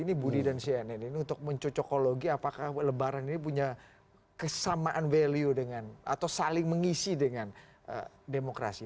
ini budi dan cnn ini untuk mencocokologi apakah lebaran ini punya kesamaan value dengan atau saling mengisi dengan demokrasi